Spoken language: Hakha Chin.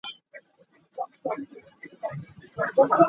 Cakei nih vok a nam hna i pakhat a seh.